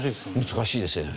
難しいですね。